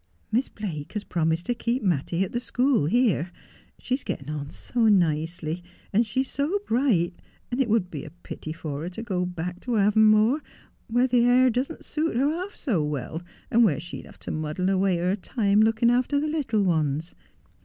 Miss Blake has promised to keep Mattie at the school here ; she's getting on so nicely, and she's so bright, and it would be a pity for her to go back to Avonmore, where the air doesn't suit her half so well, and where she'd have to muddle away her time looking after the little ones.